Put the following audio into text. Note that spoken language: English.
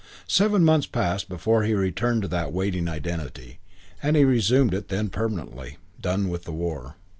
Seven months passed before he returned to that waiting identity and he resumed it then permanently, done with the war.